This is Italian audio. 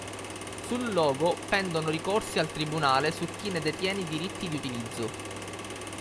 Sul logo pendono ricorsi al tribunale su chi ne detiene i diritti di utilizzo.